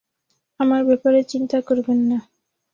আমার ব্যাপারে চিন্তা করবেন না।